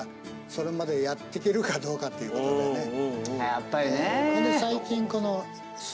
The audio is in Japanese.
やっぱりねぇ。